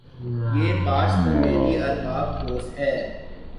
یہ باعث تومیدی ارباب ہوس ھے